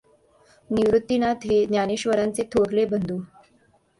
निवृत्तीनाथ हे ज्ञानेश्वरांचे थोरले बंधू.